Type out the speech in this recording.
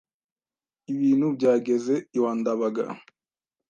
Ibintu byageze iwa Ndabaga